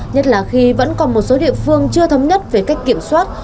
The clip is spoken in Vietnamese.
nhất là khi vẫn còn một số địa phương chưa thống nhất về cách kiểm soát